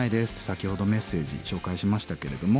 先ほどメッセージ紹介しましたけれども。